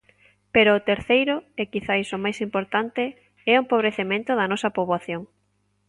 Pero o terceiro –e quizais o máis importante– é o empobrecemento da nosa poboación.